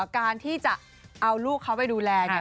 การที่จะเอาลูกเขาไปดูแลเนี่ย